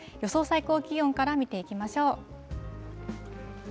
最高気温から見ていきましょう。